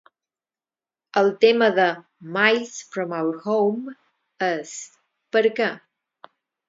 El tema de "Miles from Our Home" és "per què"?